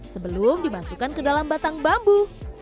sebelum dimasukkan ke dalam batang bambu